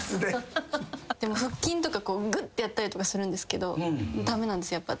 腹筋とかぐってやったりするんですけど駄目なんですやっぱ。